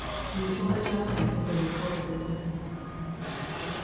Mutual adjustment of river courses.